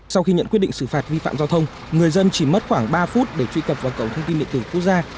sau khi nhận quyết định xử phạt vi phạm giao thông người dân chỉ mất khoảng ba phút để truy cập vào cổng thông tin điện tử quốc gia